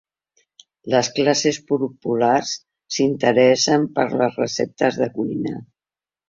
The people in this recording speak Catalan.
Les classes populars s'interessen per les receptes de cuina.